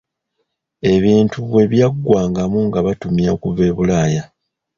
Ebintu bwe byaggwangamu nga batumya okuva e bulaaya.